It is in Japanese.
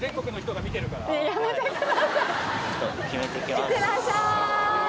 いってらっしゃい！